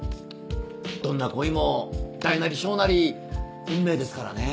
どんな恋も大なり小なり運命ですからね。